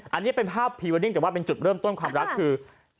อันนี้เป็นภาพพรีเวอร์ดิ้งแต่ว่าเป็นจุดเริ่มต้นความรักคือ